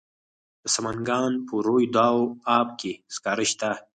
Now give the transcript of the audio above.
د سمنګان په روی دو اب کې سکاره شته.